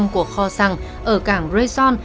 của kho xăng ở cảng raison